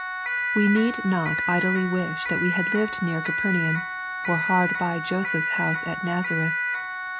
We need not idly wish that we had lived near Capernaum^ or hard by Joseph's house at Nazareth.